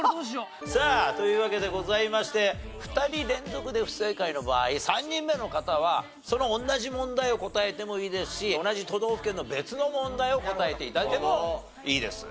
さあというわけでございまして２人連続で不正解の場合３人目の方はその同じ問題を答えてもいいですし同じ都道府県の別の問題を答えて頂いてもいいです。